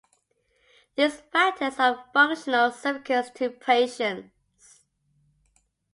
These factors are of functional significance to patients.